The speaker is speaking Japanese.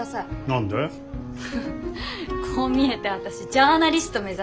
こう見えて私ジャーナリスト目指してて。